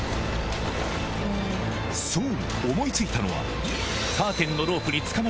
そう！